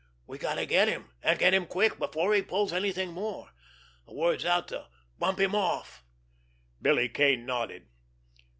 We got to get him, and get him quick, before he pulls anything more. The word's out to bump him off." Billy Kane nodded.